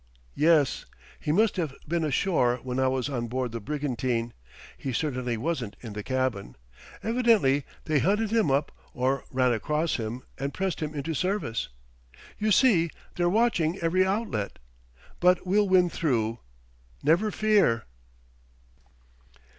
"Yes. He must have been ashore when I was on board the brigantine; he certainly wasn't in the cabin. Evidently they hunted him up, or ran across him, and pressed him into service.... You see, they're watching every outlet.... But we'll win through, never fear!"